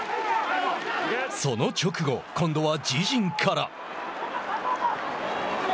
その直後、今度は自陣から。